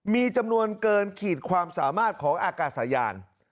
มีจำนวนเกินขีดความสามารถของอากาศยาน